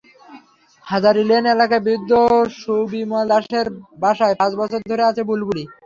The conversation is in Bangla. হাজারী লেন এলাকার বৃদ্ধ সুবিমল দাশের বাসায় পাঁচ বছর ধরে আছে বুলবুলি।